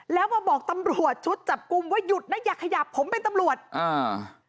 แล้วมาบอกตำรวจชุดจับกลุ่มว่าหยุดนะอย่าขยับผมเป็นตำรวจอ่า